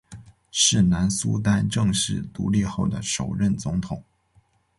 是南苏丹正式独立后的首任总统。